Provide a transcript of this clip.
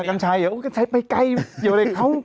กันใช่ไปไกล